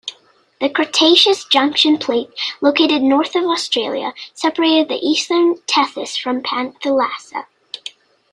The Cretaceous Junction Plate, located north of Australia, separated the eastern Tethys from Panthalassa.